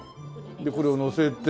でこれをのせて。